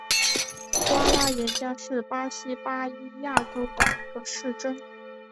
瓜拉廷加是巴西巴伊亚州的一个市镇。